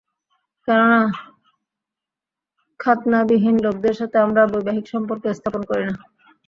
কেননা, খাৎনাবিহীন লোকদের সাথে আমরা বৈবাহিক সম্পর্ক স্থাপন করি না।